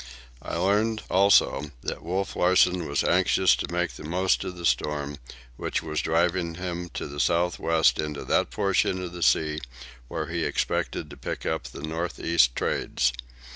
I learned, also, that Wolf Larsen was anxious to make the most of the storm, which was driving him to the south west into that portion of the sea where he expected to pick up with the north east trades.